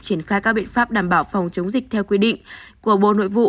triển khai các biện pháp đảm bảo phòng chống dịch theo quy định của bộ nội vụ